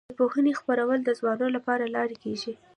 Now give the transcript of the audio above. د پوهې خپرول د ځوانانو له لارې کيږي.